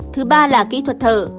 thứ ba là kỹ thuật thở